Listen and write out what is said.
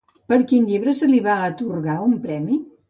Per quin llibre se li va atorgar un premi?